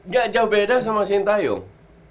gak jauh beda sama sintayong